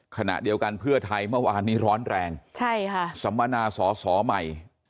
ขณะเดียวกันเพื่อไทยเมื่อวานนี้ร้อนแรงสมนาศสใหม่